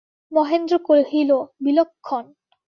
মহেন্দ্র কহিল, বিলক্ষণ।